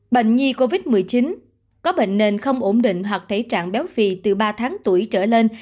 bệnh nhi covid một mươi chín có bệnh nền không ổn định hoặc thể trạng béo phì từ ba tháng tuổi trở lên